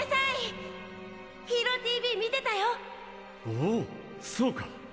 おおそうか。